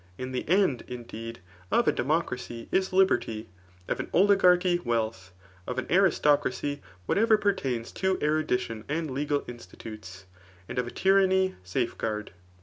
And the end, indeed, of a demo cracy is liberty ; of an oligarchy wealth ; of an aristo cracy, whatever pertains to erucfition and legal institutes ; and of a tyranny safe guard.